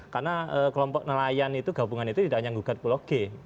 karena kelompok nelayan itu gabungan itu tidak hanya gugat pulau g